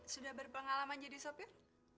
sudah berpengalaman jadi supir